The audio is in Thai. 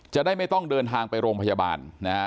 จะได้ไม่ต้องเดินทางไปโรงพยาบาลนะฮะ